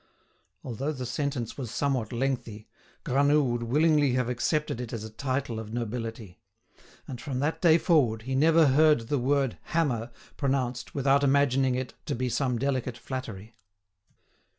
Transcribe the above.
Although the sentence was somewhat lengthy, Granoux would willingly have accepted it as a title of nobility; and from that day forward he never heard the word "hammer" pronounced without imagining it to be some delicate flattery.